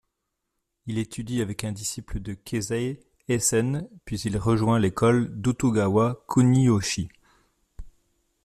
Il étudie avec un disciple de Keisai Eisen puis il rejoint l'école d'Utagawa Kuniyoshi.